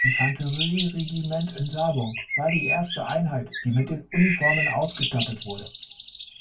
Infanterieregiment in Saarburg war die erste Einheit, die mit den Uniformen ausgestattet wurde.